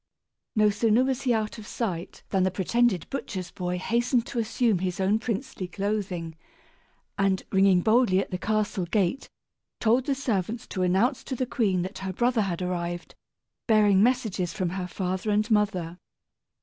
No sooner was he out of sight than the pretended butcher's boy hastened to assume his own princely clothing, and, ringing boldly at the castle gate, told the servants to announce to the queen that her brother had arrived, bearing messages from her father and mother.